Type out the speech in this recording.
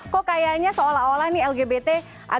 kok kayaknya seolah olah ini lgbt agak